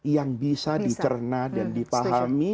yang bisa dicerna dan dipahami